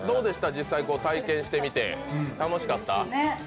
実際体験してみて楽しかった？